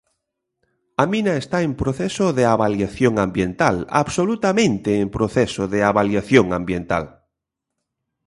A mina está en proceso de avaliación ambiental, absolutamente en proceso de avaliación ambiental.